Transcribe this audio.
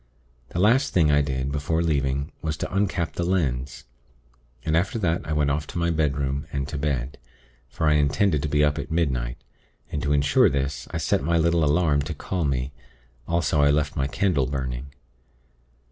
The last thing I did, before leaving, was to uncap the lens; and after that I went off to my bedroom, and to bed; for I intended to be up at midnight; and to ensure this, I set my little alarm to call me; also I left my candle burning.